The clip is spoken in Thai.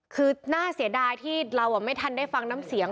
คือน่าเสียดายที่เราไม่ทันได้ฟังน้ำเสียง